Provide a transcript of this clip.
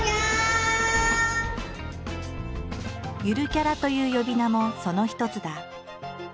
「ゆるキャラ」という呼び名もその一つだ。